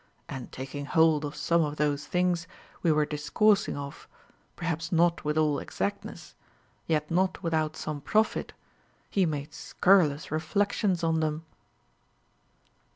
And takino• hold of some of those thinsfs we Avere discoursing of, perhaps not with all exactness, yet not Avithout some profit, he made scurrilous reflections on them.